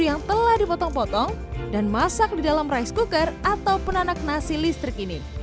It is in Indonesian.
yang telah dipotong potong dan masak di dalam rice cooker atau penanak nasi listrik ini